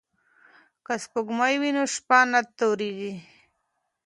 که سپوږمۍ وي نو شپه نه تورېږي.